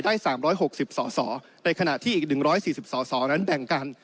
ได้สามร้อยหกสิบส่อส่อในขณะที่อีกหนึ่งร้อยสี่สิบส่อส่อนั้นแด่งกัน